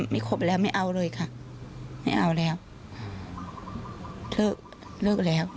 ขบแล้วไม่เอาเลยค่ะไม่เอาแล้วเถอะเลิกแล้ว